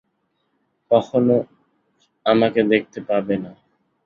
কখনো আমাকে দেখতে পাবে না।